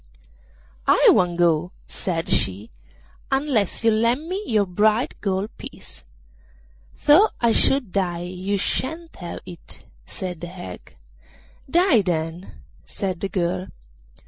'I won't go,' said she, 'unless you lend me your bright gold piece.' 'Though I should die you shan't have that,' said the hag. 'Die, then,' said the girl.